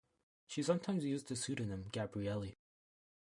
She sometimes used the pseudonym Gabrielli.